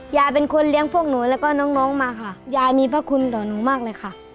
ยายเป็นคนเลี้ยงพวกหนูแล้วก็น้องมาค่ะยายมีพระคุณต่อหนูมากเลยค่ะ